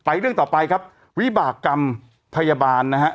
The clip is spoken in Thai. เรื่องต่อไปครับวิบากรรมพยาบาลนะฮะ